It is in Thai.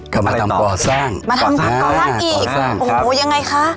ก็มาทำก่อสร้างมาทำงานก่อสร้างอีกโอ้โหยังไงคะ